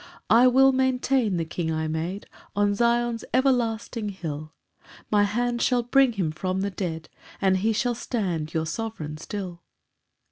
4 "I will maintain the King I made "On Zion's everlasting hill, "My hand shall bring him from the dead, "And he shall stand your sovereign still."